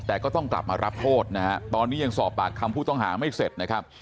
แต่ก็ต้องกลับมารับโทษนะฮะตอนนี้ยังสอบปากคำผู้ต้องหาไม่เสร็จนะครับ